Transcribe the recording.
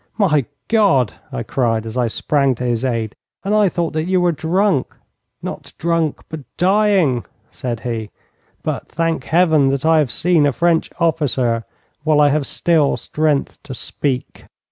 'My God!' I cried, as I sprang to his aid. 'And I thought that you were drunk!' 'Not drunk, but dying,' said he. 'But thank Heaven that I have seen a French officer while I have still strength to speak.'